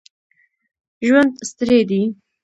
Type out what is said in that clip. ژوند ستړی دی